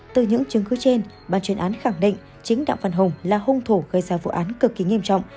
từ những chứng cứ trên bàn chuyên án khẳng định chính đặng văn hùng là hung thủ gây ra vụ án cực kỳ nghiêm trọng